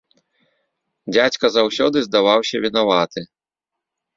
Дзядзька заўсёды здаваўся вінаваты.